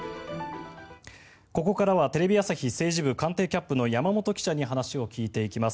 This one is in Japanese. ここからはテレビ朝日政治部官邸キャップの山本記者に話を聞いていきます。